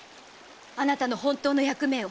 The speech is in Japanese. あなたの本当の役目を。